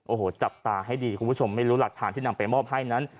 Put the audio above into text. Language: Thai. โอ้โหจับตาให้ดีคุณผู้ชมไม่รู้หลักฐานที่นำไปมอบให้นั้น